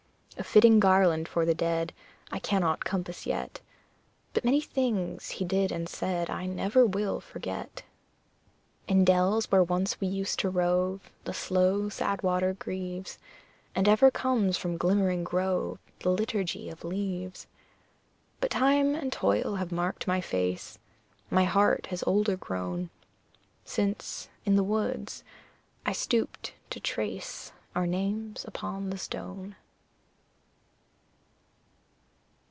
A fitting garland for the dead I cannot compass yet; But many things he did and said I never will forget. In dells where once we used to rove The slow, sad water grieves; And ever comes from glimmering grove The liturgy of leaves. But time and toil have marked my face, My heart has older grown Since, in the woods, I stooped to trace Our names upon the stone.